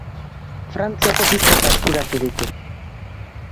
Frantziako bi kopa eskuratu ditu.